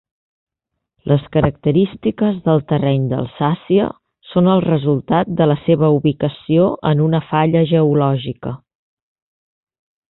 Les característiques del terreny d'Alsàcia són el resultat de la seva ubicació en una falla geològica.